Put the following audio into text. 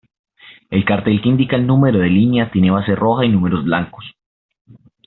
El cartel que indica el número de línea tiene base roja y números blancos.